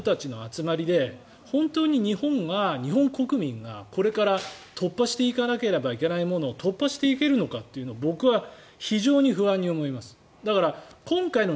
そういうふうな人たちの集まりで本当に日本国民がこれから突破していかなければいけないものを突破できるのか僕は非常に不安に思います。